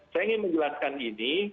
saya ingin menjelaskan ini